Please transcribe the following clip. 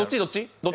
どっち？